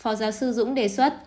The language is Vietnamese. phó giáo sư dũng đề xuất